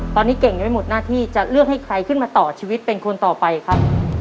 ตอนนี้เก่งยังไม่หมดหน้าที่จะเลือกให้ใครขึ้นมาต่อชีวิตเป็นคนต่อไปครับ